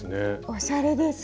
おしゃれですね。